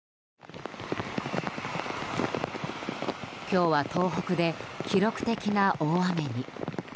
今日は東北で記録的な大雨に。